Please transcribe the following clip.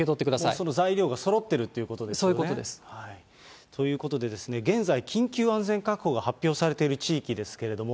その材料がそろってるということですね。ということでですね、現在、緊急安全確保が発表されている地域ですけれども。